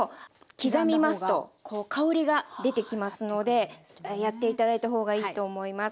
刻みますとこう香りが出てきますのでやって頂いた方がいいと思います。